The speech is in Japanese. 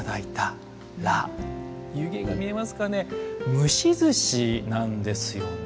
蒸しずしなんですよね。